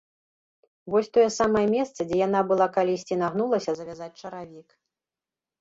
Вось тое самае месца, дзе яна была калісьці нагнулася завязваць чаравік.